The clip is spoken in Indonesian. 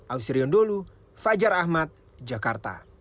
auserion dulu fajar ahmad jakarta